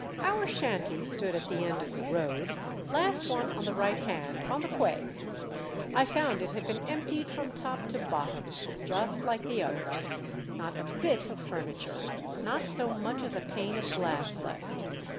" Our shanty stood at the end of the road, last one on the right hand, on the quay. I found it had been emptied from top to bottom, just like the others. Not a bit of furniture, not so much as a pane of glass left.